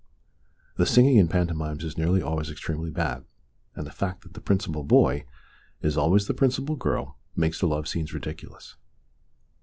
The singing in pantomimes is nearly always extremely bad, and the fact that the principal boy is always the principal girl makes the love scenes ridiculous.